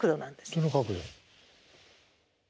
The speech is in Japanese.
どの角度？